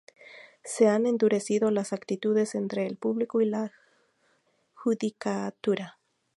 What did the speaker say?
Se han endurecido las actitudes entre el público y la judicatura.